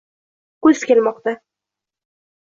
Kuz kelmoqda